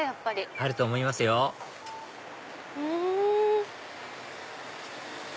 あると思いますよふん。